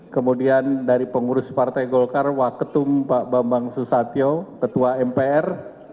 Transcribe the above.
kemudian dari pengurus partai golkar waketum pak bambang susatyo ketua mpr